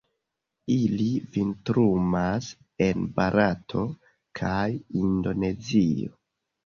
Ili vintrumas en Barato kaj Indonezio.